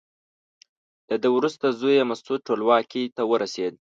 له ده وروسته زوی یې مسعود ټولواکۍ ته ورسېد.